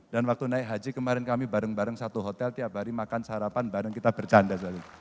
dan waktu naik haji kemarin kami bareng bareng satu hotel tiap hari makan sarapan bareng kita bercanda